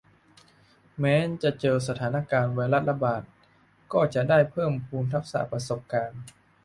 แม้จะเจอสถานการณ์ไวรัสระบาดก็จะได้เพิ่มพูนทักษะประสบการณ์